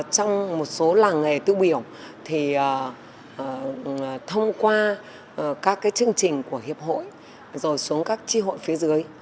trong một số làng nghề tiêu biểu thì thông qua các chương trình của hiệp hội rồi xuống các tri hội phía dưới